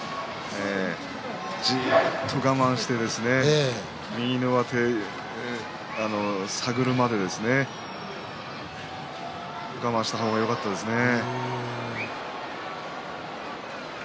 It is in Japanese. じっと我慢して右の上手探るまで我慢した方がよかったですね。